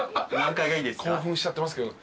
興奮しちゃってますけど。